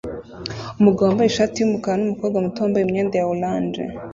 Umugabo wambaye ishati yumukara numukobwa muto wambaye imyenda ya orange